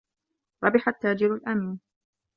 رَبِحَ التَّاجِرُ الْأَمينُ.